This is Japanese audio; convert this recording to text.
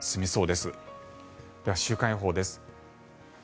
では、週間予報です。